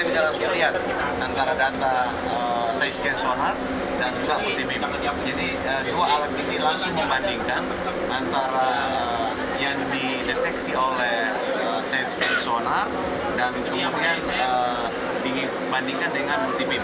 jadi kita bisa langsung melihat antara data side scan sonar dan juga multi beam